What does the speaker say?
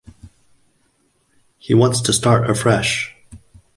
He wants to start afresh.